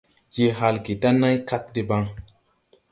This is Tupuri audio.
Je halge da nãy kag debaŋ.